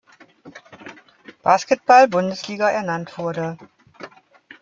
Basketball-Bundesliga ernannt wurde.